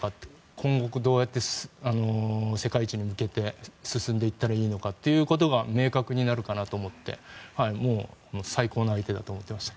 今後どうやって世界一に向けて進んでいったらいいのかっていうことが明確になるかなと思って最高の相手だと思っていました。